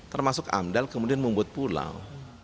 termasuk amdal kemudian membuat pulau